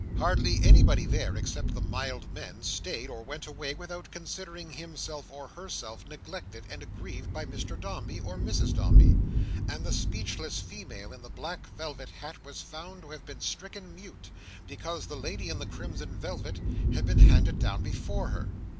Hardly anybody there, except the mild men, stayed, or went away, without considering himself or herself neglected and aggrieved by Mr Dombey or Mrs Dombey; and the speechless female in the black velvet hat was found to have been stricken mute, because the lady in the crimson velvet had been handed down before her.